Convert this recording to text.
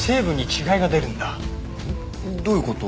どういう事？